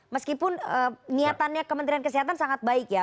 meskipun niatannya kementerian kesehatan sangat baik ya